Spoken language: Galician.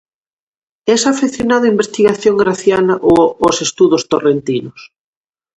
Es afeccionado á investigación graciana ou aos estudos torrentinos?